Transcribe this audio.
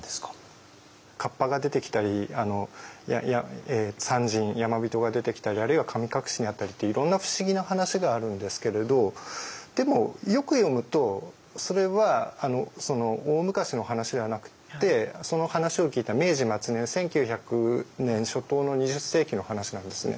河童が出てきたり山人が出てきたりあるいは神隠しにあったりっていろんな不思議な話があるんですけれどでもよく読むとそれは大昔の話ではなくってその話を聞いた明治末年１９００年初頭の２０世紀の話なんですね。